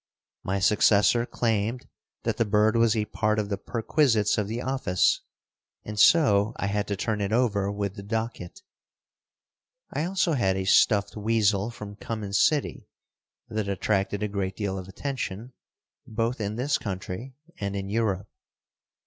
My successor claimed that the bird was a part of the perquisites of the office, and so I had to turn it over with the docket. I also had a stuffed weasel from Cummins City that attracted a great deal of attention, both in this country and in Europe.